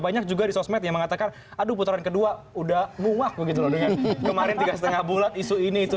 banyak juga di sosmed yang mengatakan aduh putaran kedua udah muak begitu loh dengan kemarin tiga lima bulan isu ini itu